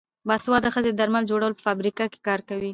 باسواده ښځې د درمل جوړولو په فابریکو کې کار کوي.